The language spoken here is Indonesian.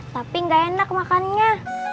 tapi gak enak makannya